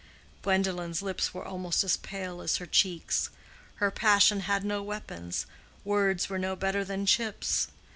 Gwendolen's lips were almost as pale as her cheeks; her passion had no weapons—words were no better than chips.